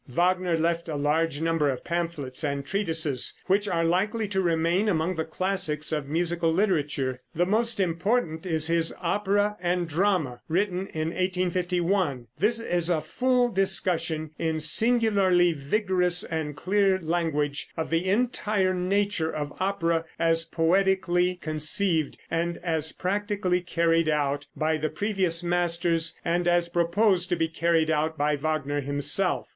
Wagner left a large number of pamphlets and treatises, which are likely to remain among the classics of musical literature. The most important is his "Opera and Drama," written in 1851. This is a full discussion, in singularly vigorous and clear language, of the entire nature of opera as poetically conceived and as practically carried out by the previous masters, and as proposed to be carried out by Wagner himself.